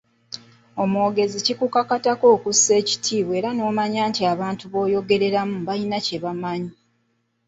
Omwogezi kikukakatako okussa ekitiibwa era n’omanya nti abantu b’oyogereramu balina kye bamanyi.